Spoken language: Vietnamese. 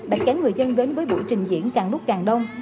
đã kéo người dân đến với buổi trình diễn càng lúc càng đông